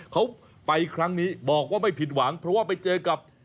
เขาไปครั้งนี้บอกว่าไม่ผิดหวังเพราะว่าไปเจอกับ